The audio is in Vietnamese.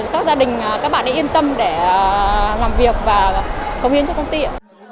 các gia đình yên tâm để làm việc và công nghiên cho công ty